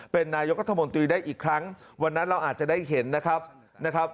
เป็นนายกรัฐมนตรีได้อีกครั้งวันนั้นเราอาจจะได้เห็นนะครับนะครับ